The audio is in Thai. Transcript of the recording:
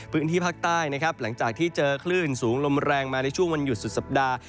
พื้นที่ภาคใต้นะครับหลังจากที่เจอคลื่นสูงลมแรงมาในช่วงวันหยุดสุดสัปดาห์